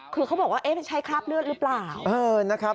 คือเขาบอกว่ามันใช้คราบเลือดหรือเปล่านะครับ